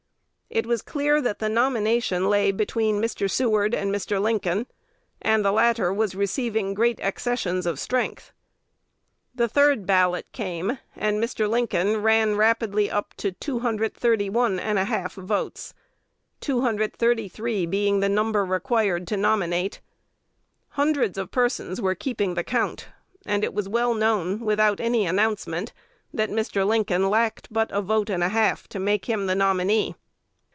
It was clear that the nomination lay between Mr. Seward and Mr. Lincoln, and the latter was receiving great accessions of strength. The third ballot came, and Mr. Lincoln ran rapidly up to 231 1/2 votes; 233 being the number required to nominate. Hundreds of persons were keeping the count; and it was well known, without any announcement, that Mr. Lincoln lacked but a vote and a half to make him the nominee.